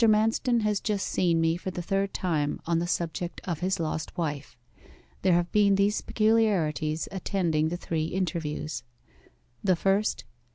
Manston has just seen me for the third time on the subject of his lost wife. There have been these peculiarities attending the three interviews: 'The first.